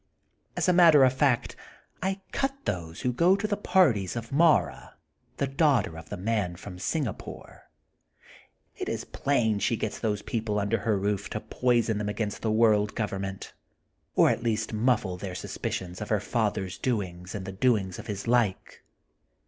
As a matter of fact I cut those who go to the parties of Mara, the daughter of the Man from Singapore. It is plain she gets those people under her roof to poison them against the world government or at least muffle their suspicions of her father's doings and the doings of his like.